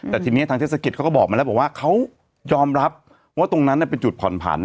แต่ทีนี้ทางเทศกิจเขาก็บอกมาแล้วบอกว่าเขายอมรับว่าตรงนั้นเป็นจุดผ่อนผัน